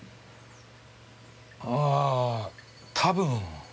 ああ多分。